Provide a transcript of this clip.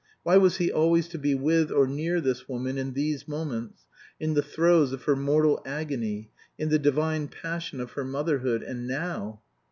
Why was he always to be with or near this woman in these moments, in the throes of her mortal agony, in the divine passion of her motherhood, and now